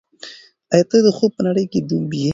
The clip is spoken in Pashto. آیا ته د خوب په نړۍ کې ډوب یې؟